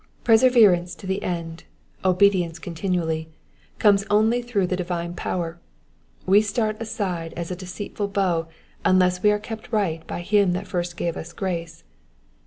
Perseverance to the end, obedience continually, comes only through the divine power ; we start aside as a deceitful bow unless we are kept right by him that first gave ue grace.